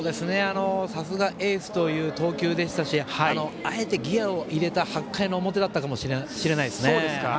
さすがエースという投球でしたしあえてギヤを入れた８回の表だったかもしれません。